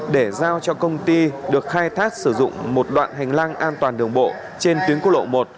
để giao cho công ty được khai thác sử dụng một đoạn hành lang an toàn đường bộ trên tuyến quốc lộ một